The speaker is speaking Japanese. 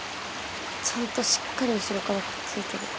ちゃんとしっかり後ろからくっついてる。